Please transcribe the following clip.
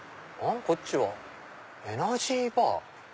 こっちは「エナジーバー」？